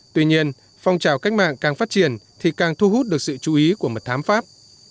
tuy nhiên phong trào cách mạng càng phát triển thì càng thu hút được sự chú ý của mật thám pháp